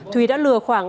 thủy đã lừa khoảng